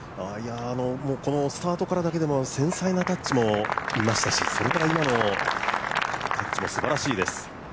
このスタートからだけでも、繊細なタッチも見ましたしそれから今のタッチもすばらしいです。